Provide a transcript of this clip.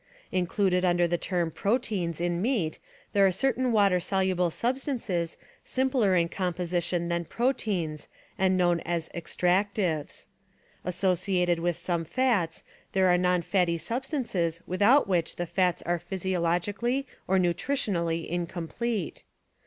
Included under the term "proteins" in meat there are certain water soluble substances simpler in composition than proteins and known as extractives. Associated with some fats there are non fatty substances without which the fats are physiologically or nutritionally incomplete.